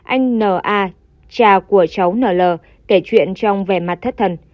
anh n a cha của cháu n l kể chuyện trong vẻ mặt thất thần